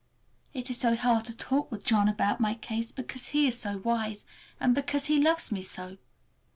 It is so hard to talk with John about my case, because he is so wise, and because he loves me so.